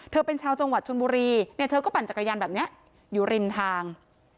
เธอเป็นชาวจังหวัดชนบุรีเนี่ยเธอก็ปั่นจักรยานแบบนี้อยู่ริมทาง